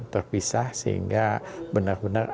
terpisah sehingga benar benar